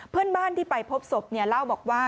เพื่อนบ้านที่ไปพบศพเล่าบอกว่า